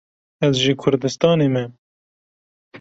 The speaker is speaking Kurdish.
Ez ji Kurdistanê me